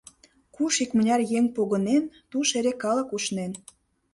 Куш икмыняр еҥ погынен, туш эше калык ушнен.